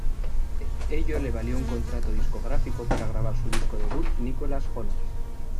Ello le valió un contrato discográfico para grabar su disco debut "Nicholas Jonas".